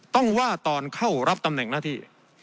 ต้องว่าตอนเข้ารับตำแหน่งหน้าที่